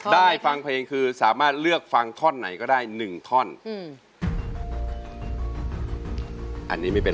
ได้ฟังเพลงคือสามารถเลือกฟังท่อนไหนก็ได้หนึ่งท่อนอืมอันนี้ไม่เป็น